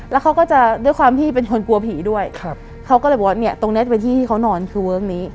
แล้วเขาก็จะด้วยความที่เป็นคนกลัวผีด้วยครับเขาก็เลยบอกว่าเนี่ยตรงเนี้ยจะเป็นที่ที่เขานอนคือเวิร์คนี้